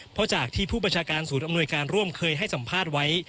เพราะจากที่ผู้บัญชาการศูนย์อำนวยการร่วมเคยให้สัมภาษณ์ไว้